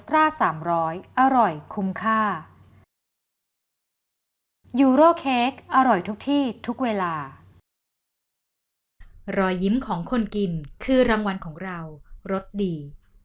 รอยยิ้มของคนกินคือรางวัลของเรารสดี